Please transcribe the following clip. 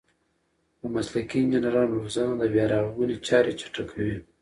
د مسلکي انجنیرانو روزنه د بیارغونې چارې چټکوي.